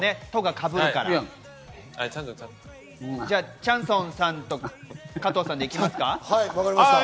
チャンソンさんと加藤さんでいきますか。